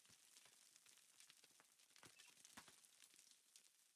Babati Vijijini Daniel Baran Silo kupitia tiketi ya Chama cha mapinduzi